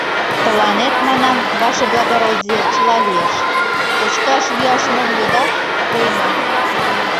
Тыланет, манам, ваше благородие, чыла лиеш; кочкаш-йӱаш мом йодат — пуэна.